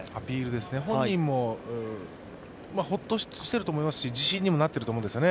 本人もホッとしていると思いますし、自信にもなっていると思うんですよ。